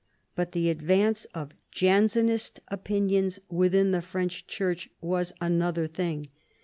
But the advance of Jansenist opinions within the French Church was another thing.